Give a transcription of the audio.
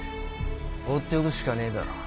放っておくしかねえだろ。